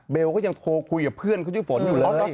ก็ยังโทรคุยกับเพื่อนเขาชื่อฝนอยู่เลย